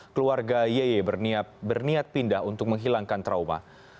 keluarga yeye berniat pindah untuk menghilangkan trauma